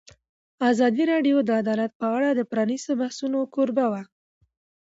ازادي راډیو د عدالت په اړه د پرانیستو بحثونو کوربه وه.